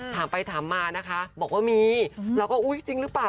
ถามไปถามมานะคะบอกว่ามีเราก็อุ๊ยจริงหรือเปล่า